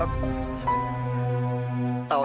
tau tentang kamu